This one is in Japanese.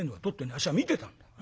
あっしは見てたんだ。